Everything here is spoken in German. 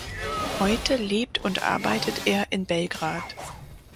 Heute lebt und arbeitet er in Belgrad.